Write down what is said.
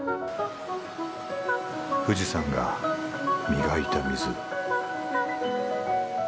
富士山が磨いた水。